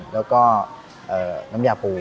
แล้วก็น้ำยาปู